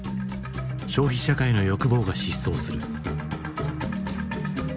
消費社会の欲望が疾走する。